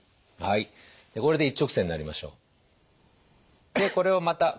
はいこれで一直線になりましょう。